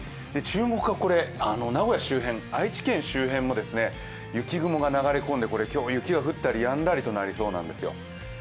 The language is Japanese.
注目は名古屋周辺、愛知県周辺も雪雲が流れ込んで今日、雪が降ったりやんだりになりそうなんですよ。